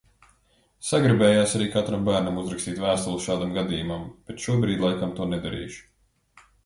Sagribējās arī katram bērnam uzrakstīt vēstuli šādam gadījumam, bet šobrīd laikam to nedarīšu.